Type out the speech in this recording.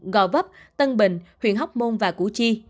gò vấp tân bình huyện hóc môn và củ chi